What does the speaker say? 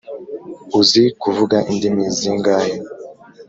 uzi kuvuga indimi zingahe